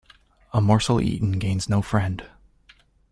A morsel eaten gains no friend.